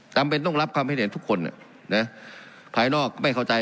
จำเป็นต้องรับความเห็นทุกคนภายนอกไม่เข้าใจ